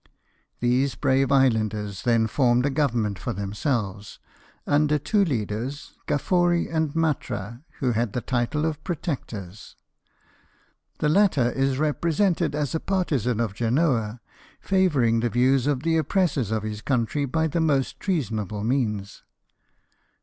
These brave islanders then formed a government for themselves, under two leaders, Gaffori and Matra, who had the title of protectors. The latter is repre sented as a partisan of Genoa, favouring the views of the oppressors of his country by the most treasonable means.